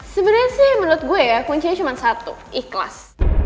sebenarnya sih menurut gue ya kuncinya cuma satu ikhlas